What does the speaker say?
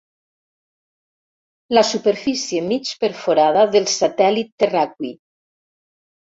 La superfície mig perforada del satèl·lit terraqüi.